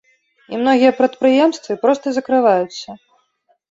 І многія прадпрыемствы проста закрываюцца.